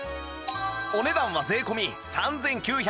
お値段は税込３９８０円